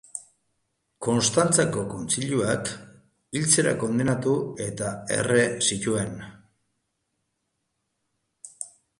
Konstantzako kontzilioak hiltzera kondenatu eta erre zuten.